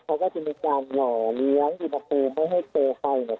เพราะว่าจะมีการหล่อเลี้ยงอินโปรไม่ให้เจอไปเนี่ย